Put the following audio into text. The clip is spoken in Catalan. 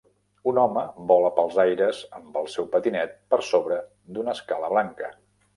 Un home vola pels aires amb el seu patinet per sobre d'una escala blanca.